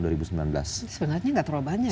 sebenarnya gak terlalu banyak ya